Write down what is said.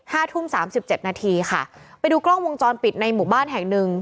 ทุ่มสามสิบเจ็ดนาทีค่ะไปดูกล้องวงจรปิดในหมู่บ้านแห่งหนึ่ง